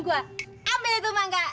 buah ya tuhan